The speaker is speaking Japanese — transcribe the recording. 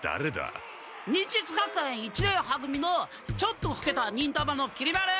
忍術学園一年は組のちょっとふけた忍たまのきり丸！